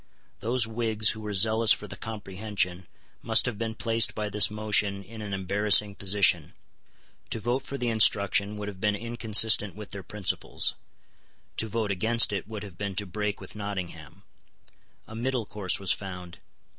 Those Whigs who were zealous for the Comprehension must have been placed by this motion in an embarrassing position. To vote for the instruction would have been inconsistent with their principles. To vote against it would have been to break with Nottingham. A middle course was found.